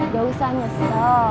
gak usah nyesel